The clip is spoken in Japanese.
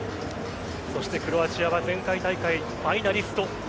そしてクロアチアは前回大会ファイナリスト。